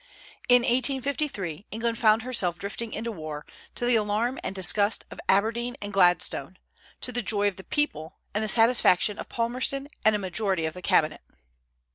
In 1853 England found herself drifting into war, to the alarm and disgust of Aberdeen and Gladstone, to the joy of the people and the satisfaction of Palmerston and a majority of the cabinet.